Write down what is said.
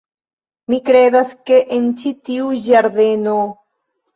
Mi kredas, ke en ĉi tiu ĝardeno...